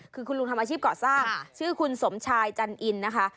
คือคุณลุงทำอาชีพก่อสร้างชื่อคุณสมชายจันอินนะคะ